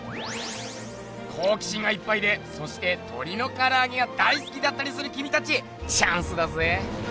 こうき心がいっぱいでそしてとりのからあげが大すきだったりするきみたちチャンスだぜ！